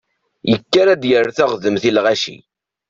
Yekker ad d-yerr taɣdemt i lɣaci.